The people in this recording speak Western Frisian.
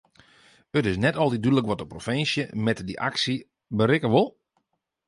It is net altyd dúdlik wat de provinsje met dy aksjes berikke wol.